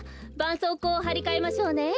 そうこうをはりかえましょうね。